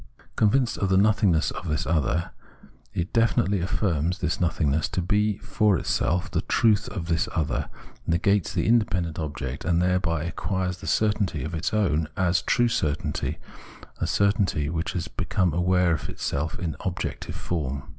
Con vinced of the nothingness of this other, it definitely affirms this nothingness to be for itself the truth of this other, negates the independent object, and thereby acquires the certainty of its own self, as true certainty, a certainty which it has become aware of in objective form.